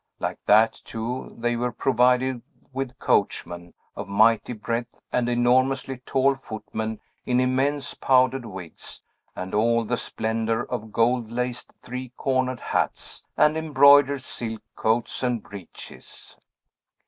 Like that, too, they were provided with coachmen of mighty breadth, and enormously tall footmen, in immense powdered wigs, and all the splendor of gold laced, three cornered hats, and embroidered silk coats and breeches.